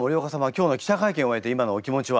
今日の記者会見を終えて今のお気持ちは？